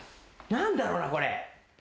何だろうなこれ？